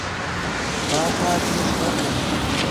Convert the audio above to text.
دا ښار ډېر شور لري.